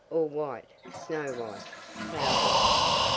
All white! snow white! cloud white!